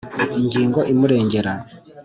Ingingo imurengera.